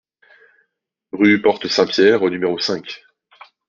Rue Porte Saint-Pierre au numéro cinq